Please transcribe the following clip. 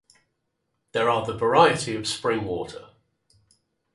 There are the variety of spring water.